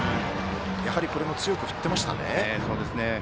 やはりこれも強く振っていましたね。